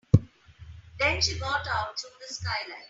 Then she got out through the skylight.